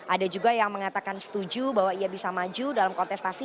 ada juga yang mengatakan setuju bahwa ia bisa maju dalam kontestasi